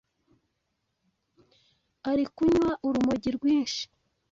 ari kunywa urumogi rwinshi